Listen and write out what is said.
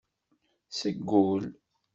Seg ul.